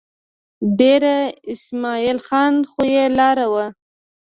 دېره اسمعیل خان خو یې لار وه.